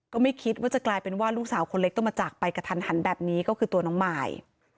ก็ไม่คิดว่าจะกลายเป็นว่าลูกสาวคนเล็กต้องมาจากไปกระทันหันแบบนี้ก็คือตัวน้องมาย